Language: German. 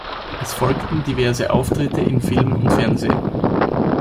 Es folgten diverse Auftritte in Film und Fernsehen.